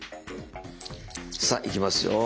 さあいきますよ。